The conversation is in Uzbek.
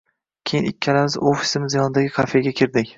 Keyin ikkalamiz ofisimiz yonidagi kafega kirdik